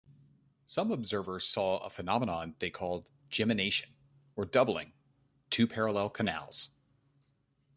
Some observers saw a phenomenon they called "gemination", or doubling - two parallel canals.